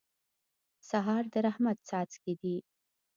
سهار د رحمت څاڅکي دي.